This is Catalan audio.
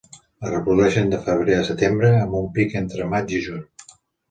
Es reprodueixen de febrer a setembre, amb un pic entre maig i juny.